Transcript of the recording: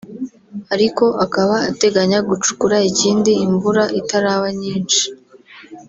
ariko akaba ateganya gucukura ikindi imvura itaraba nyinshi